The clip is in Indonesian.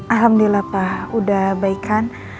alhamdulillah pak udah baik kan